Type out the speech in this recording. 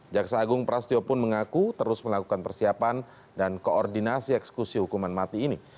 jaksa agung prasetyo pun mengaku terus melakukan persiapan dan koordinasi eksekusi hukuman mati ini